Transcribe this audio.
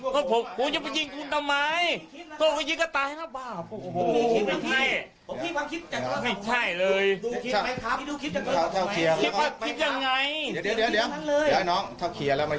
ก็ผมผมจะไปยิงคุณทำไมก็มันยิงกระต่ายห้าบาป